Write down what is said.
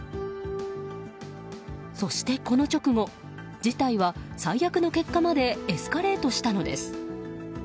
そして、この直後事態は最悪の結果までエスカレートしたのです。